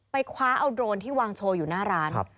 คว้าเอาโดรนที่วางโชว์อยู่หน้าร้าน